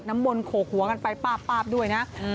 น้ำมนต์โขกหัวกันไปป๊าบด้วยนะ